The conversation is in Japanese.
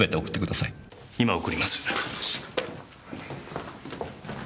今送ります。